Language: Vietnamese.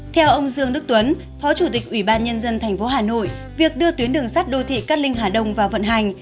theo ông dương đức tuấn phó chủ tịch ủy ban nhân dân tp hà nội việc đưa tuyến đường sắt đô thị cát linh hà đông vào vận hành